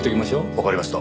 わかりました。